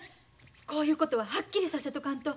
こういうことははっきりさせとかんと。